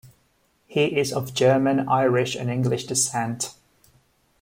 He is of German, Irish, and English descent.